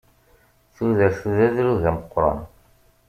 Tudert d adrug ameqqran.